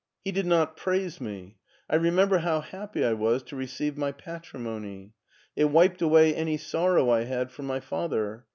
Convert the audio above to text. He did not praise me. I remember how happy I was to receive my patrimony. It wiped away any sorrow I had for my father.